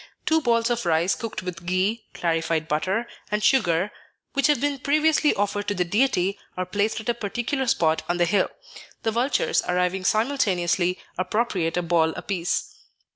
Two balls of rice cooked with ghi (clarified butter) and sugar, which have been previously offered to the deity, are placed at a particular spot on the hill. The vultures, arriving simultaneously, appropriate a ball apiece.